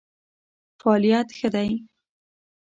فعالیت ښه دی.